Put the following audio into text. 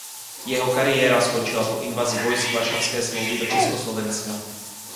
Jeho kariéra skončila po invazi vojsk Varšavské smlouvy do Československa.